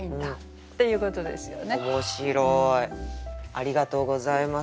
ありがとうございます。